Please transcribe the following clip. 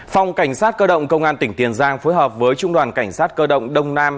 phòng cảnh sát cơ động công an tỉnh tiền giang phối hợp với trung đoàn cảnh sát cơ động đông nam